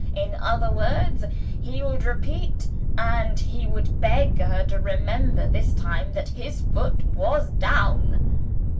In other words, he would repeat, and he would beg her to remember this time, that his Foot was down."